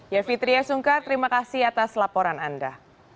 ya fitriya sungkar terima kasih atas laporan anda